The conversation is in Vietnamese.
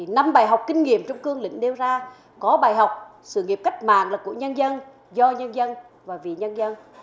năm bài học kinh nghiệm trong cương lĩnh nêu ra có bài học sự nghiệp cách mạng là của nhân dân do nhân dân và vì nhân dân